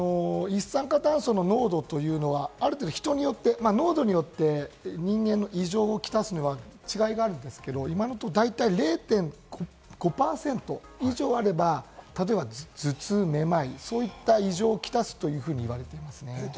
一酸化炭素濃度というのは、人によって濃度によって人間に異常をきたすには違いがあるんですけれど、今のところ大体０．５％以上あれば、例えば頭痛や目まい、そういった異常をきたすというふうにいわれています。